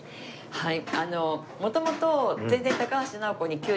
はい。